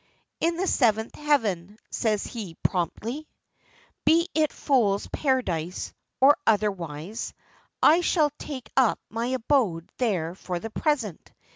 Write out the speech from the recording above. "In the seventh heaven," says he, promptly. "Be it a Fool's Paradise or otherwise, I shall take up my abode there for the present.